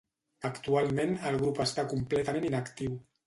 Actualment el grup està completament inactiu.